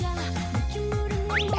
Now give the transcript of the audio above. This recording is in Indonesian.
eh diam misalnya ya